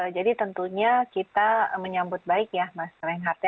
jadi tentunya kita menyambut baik ya mas renhardt